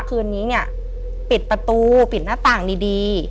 คืนนี้เนี่ยปิดประตูปิดหน้าต่างดี